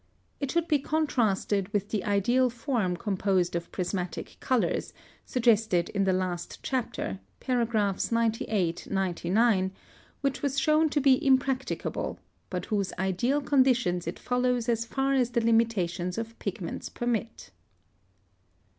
It should be contrasted with the ideal form composed of prismatic colors, suggested in the last chapter, paragraphs 98, 99, which was shown to be impracticable, but whose ideal conditions it follows as far as the limitations of pigments permit.